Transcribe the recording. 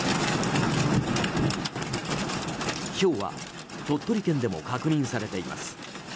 ひょうは鳥取県でも確認されています。